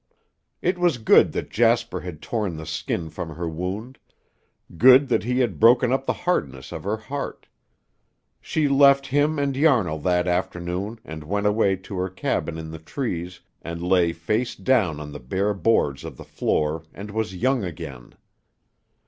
It was good that Jasper had torn the skin from her wound, good that he had broken up the hardness of her heart. She left him and Yarnall that afternoon and went away to her cabin in the trees and lay face down on the bare boards of the floor and was young again.